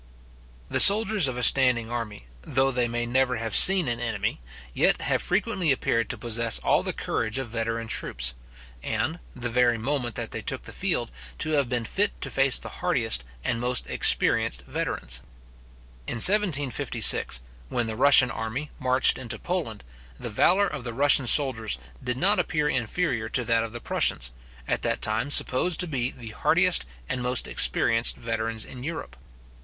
The soldiers of a standing army, though they may never have seen an enemy, yet have frequently appeared to possess all the courage of veteran troops, and, the very moment that they took the field, to have been fit to face the hardiest and most experienced veterans. In 1756, when the Russian army marched into Poland, the valour of the Russian soldiers did not appear inferior to that of the Prussians, at that time supposed to be the hardiest and most experienced veterans in Europe.